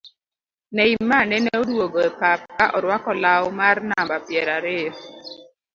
Neymar nene odwogo e pap ka orwako lau mar namba piero ariyo